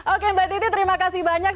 oke mbak titi terima kasih banyak